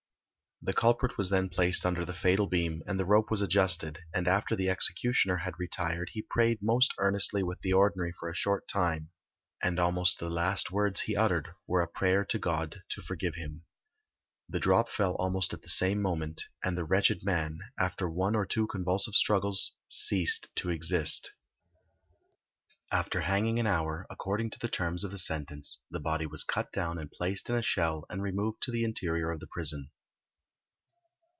The culprit was then placed under the fatal beam and the rope was adjusted, and after the executioner had retired he prayed most earnestly with the Ordinary for a short time, and almost the last words he uttered were a prayer to God to forgive him. The drop fell almost at the same moment, and the wretched man, after one or two convulsive struggles, ceased to exist. After hanging an hour, according to the terms of the sentence, the body was cut down and placed in a shell and removed to the interior of the prison.